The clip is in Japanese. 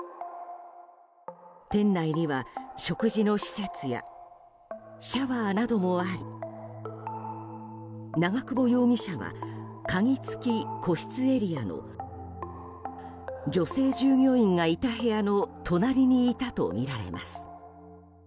店内には食事の施設やシャワーなどもあり長久保容疑者は鍵付き個室エリアの女性従業員がいた部屋の隣にいたとみられます。